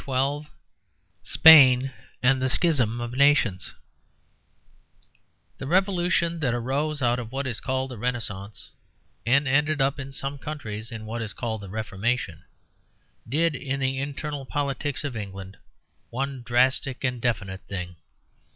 XII SPAIN AND THE SCHISM OF NATIONS The revolution that arose out of what is called the Renascence, and ended in some countries in what is called the Reformation, did in the internal politics of England one drastic and definite thing.